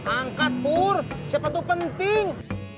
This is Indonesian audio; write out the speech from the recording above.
angkat pur siapa tuh penting